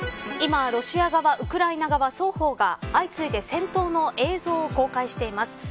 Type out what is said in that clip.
今、ロシア側ウクライナ側、双方が相次いで戦闘の映像を公開しています。